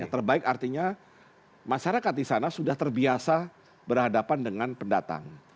terbaik artinya masyarakat disana sudah terbiasa berhadapan dengan pendatang